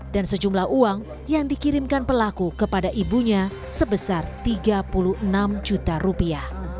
dan sejumlah uang yang dikirimkan pelaku kepada ibunya sebesar tiga puluh enam juta rupiah